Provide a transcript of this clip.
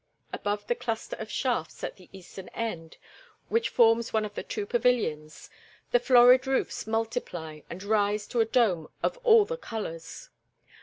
Above the cluster of shafts at the eastern end, which forms one of the two pavilions, the florid roofs multiply and rise to a dome of all the colors.